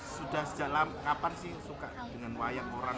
sudah sejak lama kapan sih suka dengan wayang orang